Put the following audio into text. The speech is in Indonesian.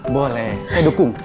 boleh saya dukung